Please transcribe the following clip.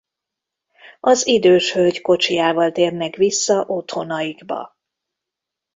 Az idős hölgy kocsijával térnek vissza otthonaikba.